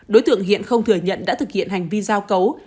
đối tượng hiện không thừa nhận đã thực hiện hành vi giao cấu